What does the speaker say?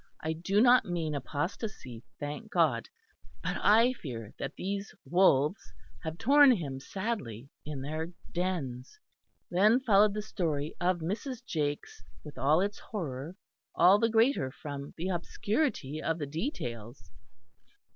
I do not mean apostacy, thank God. But I fear that these wolves have torn him sadly, in their dens." Then followed the story of Mrs. Jakes, with all its horror, all the greater from the obscurity of the details.